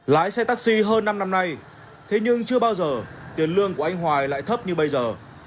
lái xe taxi hơn năm năm nay thế nhưng chưa bao giờ tiền lương của anh hoài lại thấp như bây giờ